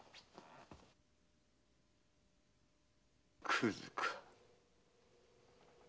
クズか。